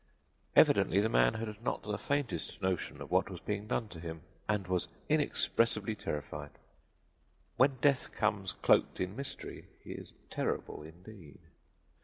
Evidently the man had not the faintest notion of what was being done to him, and was inexpressibly terrified. When Death comes cloaked in mystery he is terrible indeed.